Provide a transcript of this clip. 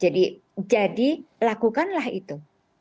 jadi lakukanlah itu